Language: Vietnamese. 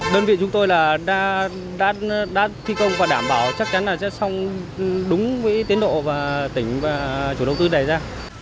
đơn vị chúng tôi là đã thi công và đảm bảo chắc chắn là sẽ xong đúng với tiến độ và tỉnh và chủ đầu tư đề ra